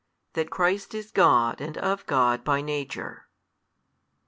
That Christ is God and of God by Nature.